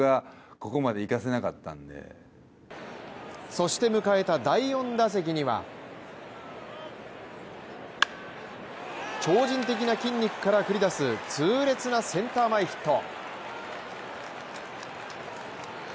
そして迎えた第４打席には超人的な筋肉から繰り出す痛烈なセンター前ヒット。